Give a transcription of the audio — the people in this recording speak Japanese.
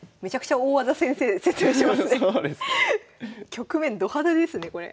局面ド派手ですねこれ。